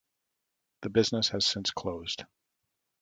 The business has since closed.